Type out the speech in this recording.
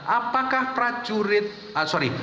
apakah prajurit sorry